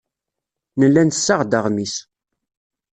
Nella nessaɣ-d aɣmis.